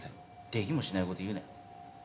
できもしないこと言うなよ。